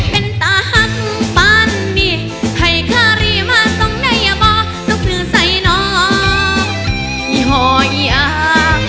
เป็นตาหักปานบีให้ขรีมาส่งในบ่สุขศึกใส่นอบยี่ห่อยยา